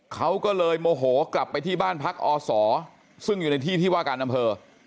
เขาก็เลยโมโหกลับไปที่บ้านพักอศซึ่งอยู่ในที่ที่ว่าการอำเภอ